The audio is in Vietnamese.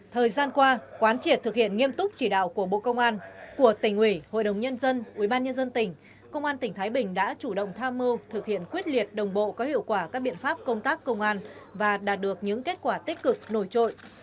thời gian qua quán triệt thực hiện nghiêm túc chỉ đạo của bộ công an của tỉnh ủy hội đồng nhân dân ubnd tỉnh công an tỉnh thái bình đã chủ động tham mưu thực hiện quyết liệt đồng bộ có hiệu quả các biện pháp công tác công an và đạt được những kết quả tích cực nổi trội